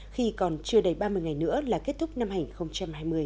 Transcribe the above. khi còn chưa đầy ba mươi ngày nữa là kết thúc năm hành hai mươi